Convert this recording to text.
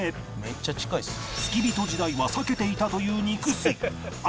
付き人時代は避けていたという肉吸い